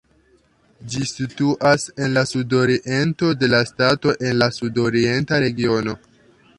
Ĝi situas en la sudoriento de la stato en la Sudorienta regiono.